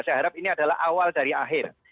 saya harap ini adalah awal dari akhir